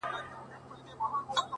زړه مي را خوري-